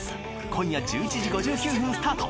今夜１１時５９分スタート！